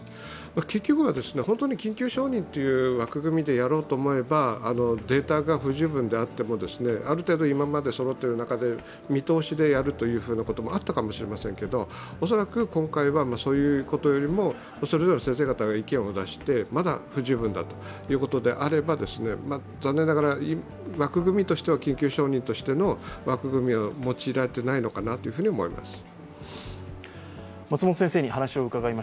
結局は、本当に緊急承認という枠組みでやろうと思えばデータが不十分であっても、ある程度、今までそろっている中で見通しでやるということもあったかもしれませんけど恐らく今回はそういうことよりもそれぞれの先生方が意見を出して、不十分だということであれば残念ながら枠組みとしては緊急承認としての枠組みは用いられていないのかなと思います。